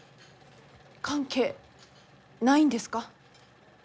関係ないんですか？